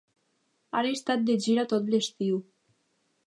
Han estat de gira tot l'estiu.